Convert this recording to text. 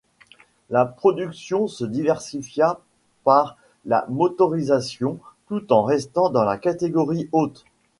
La production se diversifia par la motorisation, tout en restant dans la catégorie haute.